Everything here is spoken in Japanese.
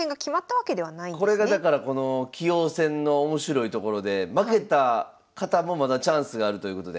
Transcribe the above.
これがだから棋王戦の面白いところで負けた方もまだチャンスがあるということで。